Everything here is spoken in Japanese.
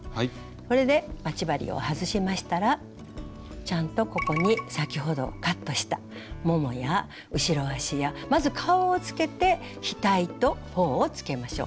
これで待ち針を外しましたらちゃんとここに先ほどカットしたももや後ろ足やまず顔をつけて額とほおをつけましょう。